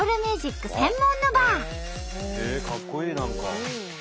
かっこいい何か。